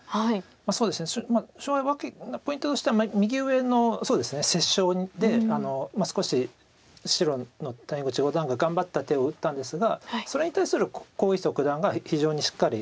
そうですねポイントとしては右上の折衝で少し白の谷口五段が頑張った手を打ったんですがそれに対する黄翊祖九段が非常にしっかり。